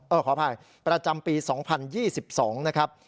ขออภัยประจำปี๒๐๒๒นะครับ